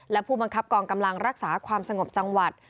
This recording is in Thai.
และผู้บังคับกองกำลังรักษาความสงบจังหวัด